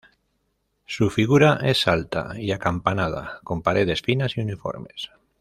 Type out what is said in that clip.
Su figura es alta y acampanada con paredes finas y uniformes.